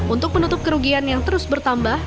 untuk menutup kerugian yang terus bertambah